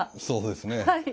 そうですね。